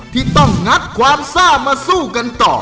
ที่ต้องงัดความซ่ามาสู้กันต่อ